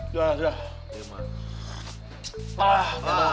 iya makanya jangan berkicau terus